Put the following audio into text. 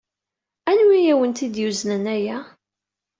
Anwa ay awent-d-yuznen aya?